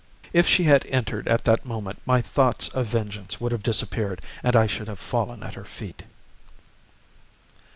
If she had entered at that moment my thoughts of vengeance would have disappeared, and I should have fallen at her feet.